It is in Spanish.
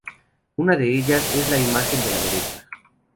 Una de ellas es la imagen de la derecha.